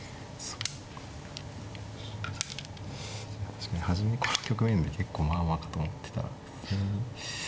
確かに初めこの局面で結構まあまあかと思ってたら。